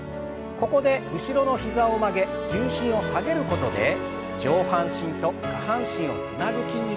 ここで後ろの膝を曲げ重心を下げることで上半身と下半身をつなぐ筋肉をストレッチします。